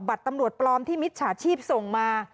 ตำรวจปลอมที่มิจฉาชีพส่งมา